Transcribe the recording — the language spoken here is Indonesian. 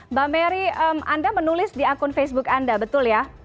mbak mary anda menulis di akun facebook anda betul ya